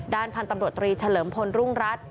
พันธุ์ตำรวจตรีเฉลิมพลรุ่งรัฐ